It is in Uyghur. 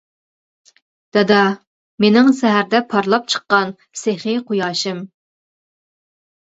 دادا، مېنىڭ سەھەردە پارلاپ چىققان سېخىي قۇياشىم!